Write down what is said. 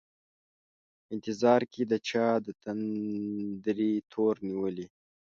په انتظار کي د چا دتندري تور نیولي